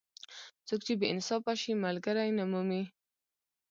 څوک چې بې انصافه شي؛ ملګری نه مومي.